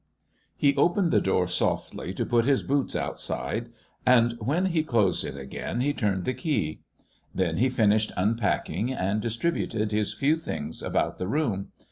He opened the door softly to put his boots outside, and when he closed it again he turned the key. Then he finished unpacking and distributed his few things about the room.